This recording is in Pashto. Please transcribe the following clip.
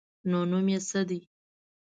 _نو نوم يې څه دی؟